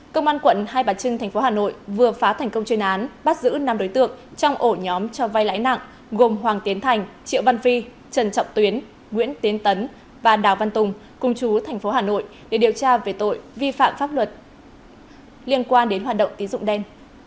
công an quận hai bà trưng tp hà nội vừa phá thành công chuyên án bắt giữ năm đối tượng trong ổ nhóm cho vai lãi nặng gồm hoàng tiến thành triệu văn phi trần trọng tuyến nguyễn tiến tấn và đào văn tùng cùng chú thành phố hà nội để điều tra về tội vi phạm pháp luật liên quan đến hoạt động tín dụng đen